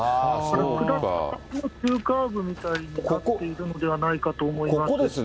下った所が急カーブみたいになっているのではないかと思います。